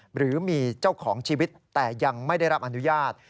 หรือมีเจ้าของชีวิตแต่ยังไม่ได้รับอนุญาต